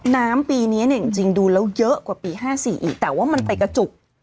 น้ำปีเนี้ยเนี้ยจริงจริงดูแล้วเยอะกว่าปีห้าสี่อีกแต่ว่ามันไปกระจุก